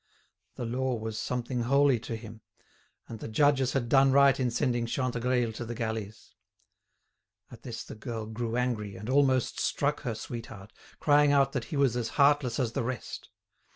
The law was something holy to him, and the judges had done right in sending Chantegreil to the galleys. At this the girl grew angry, and almost struck her sweetheart, crying out that he was as heartless as the rest.